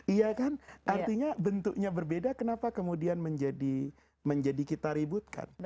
iya kan artinya bentuknya berbeda kenapa kemudian menjadi kita ributkan